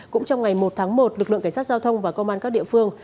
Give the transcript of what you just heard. cũng trong ngày một tháng một lực lượng cảnh sát giao thông và công an các địa phương